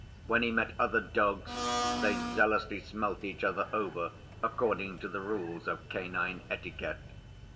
When he met other dogs they zealously smelt each other over according to the rules of canine etiquette.